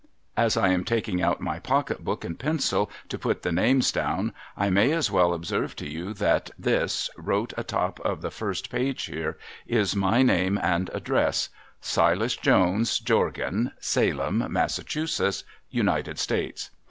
As I am taking out my pocket book and pencil to put the names down, I may as well observe to }ou that this, wrote atop of the first i)age here, is my name and address :" Silas Jonas Jorgan, Salem, Massachusetts, United States."